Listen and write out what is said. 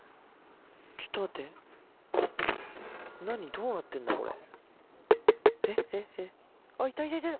どうなってんだこれ。